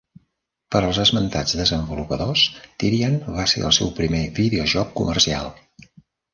Per als esmentats desenvolupadors, "Tyrian" va ser el seu primer videojoc comercial.